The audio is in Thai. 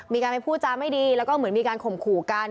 มีการไปพูดจาไม่ดีแล้วก็เหมือนมีการข่มขู่กัน